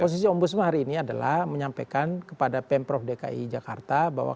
posisi ombudsman hari ini adalah menyampaikan kepada pemprov dki jakarta